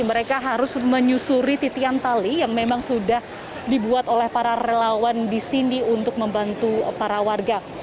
mereka harus menyusuri titian tali yang memang sudah dibuat oleh para relawan di sini untuk membantu para warga